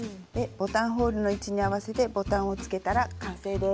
ボタンホールの位置に合わせてボタンをつけたら完成です。